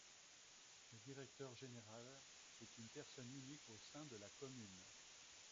Le Directeur général est une personne unique au sein de la commune.